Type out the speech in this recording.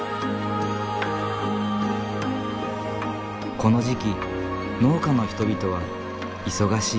この時期農家の人々は忙しい。